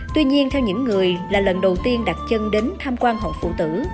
tuy nhiên theo những người là lần đầu tiên đặt chân đến tham quan hòn phụ tử